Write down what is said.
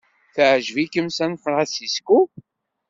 Teɛjeb-ikem San Francisco?